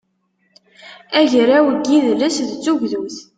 agraw i yidles d tugdut